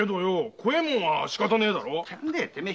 こわいもんはしかたねえだろ。